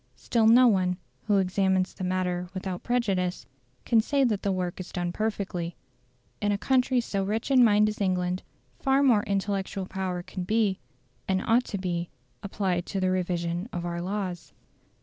Still no one, who examines the matter without prejudice, can say that the work is done perfectly. In a country so rich in mind as England, far more intellectual power can be, and ought to be, applied to the revision of our laws.